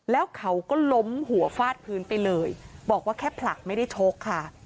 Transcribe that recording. แล้วเขาก็ล้มหัวฟาดพื้นไปเลยบอกว่าแค่ผลักไม่ได้ชกค่ะ